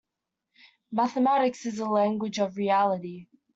Mathematics is the language of reality.